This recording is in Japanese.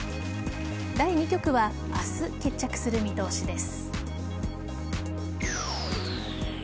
第２局は明日、決着する見通しです。